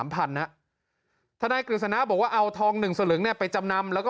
พันนะทนายกฤษณะบอกว่าเอาทอง๑สลึงเนี่ยไปจำนำแล้วก็